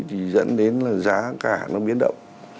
thì dẫn đến là giá cả nó biến động